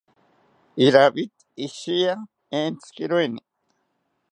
Iravid ishiya entzikiroeni